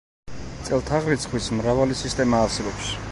წელთაღრიცხვის მრავალი სისტემა არსებობს.